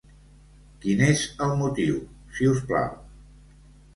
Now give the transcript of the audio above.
Quin és el motiu, si us plau?